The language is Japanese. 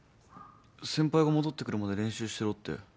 先輩が戻ってくるまで練習してろって。